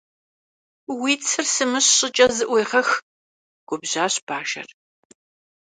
Уи цыр сымыщ щӀыкӀэ зыӀуегъэх! - губжьащ Бажэр.